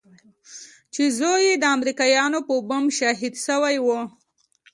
چې زوى يې د امريکايانو په بم شهيد سوى و.